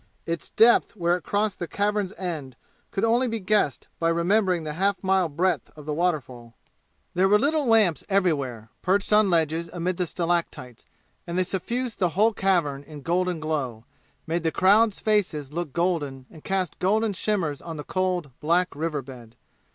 Its depth where it crossed the cavern's end could only be guessed by remembering the half mile breadth of the waterfall. There were little lamps everywhere, perched on ledges amid the stalactites, and they suffused the whole cavern in golden glow, made the crowd's faces look golden and cast golden shimmers on the cold, black river bed.